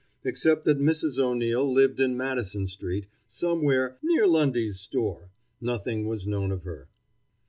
Except that Mrs. O'Neil lived in Madison street, somewhere "near Lundy's store," nothing was known of her.